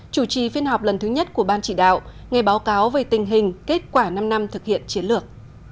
chủ trì phiên họp lần thứ nhất của ban chỉ đạo nghe báo cáo về tình hình kết quả năm năm thực hiện chiến lược